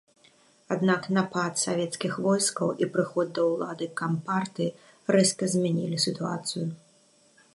Аднак, напад савецкіх войскаў і прыход да улады кампартыі рэзка змянілі сітуацыю.